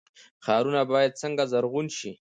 ښارونه باید څنګه زرغون شي؟